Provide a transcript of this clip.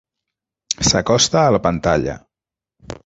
S'acosta a la pantalla.